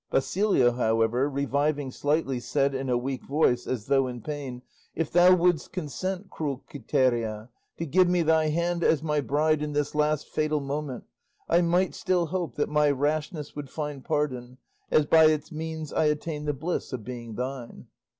Basilio, however, reviving slightly, said in a weak voice, as though in pain, "If thou wouldst consent, cruel Quiteria, to give me thy hand as my bride in this last fatal moment, I might still hope that my rashness would find pardon, as by its means I attained the bliss of being thine."